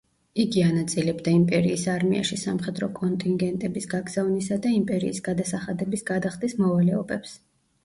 იგი ანაწილებდა იმპერიის არმიაში სამხედრო კონტინგენტების გაგზავნისა და იმპერიის გადასახადების გადახდის მოვალეობებს.